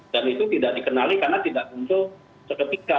dan itu tidak dikenali karena tidak muncul seketika